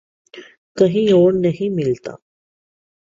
کہیں اور نہیں ملتا۔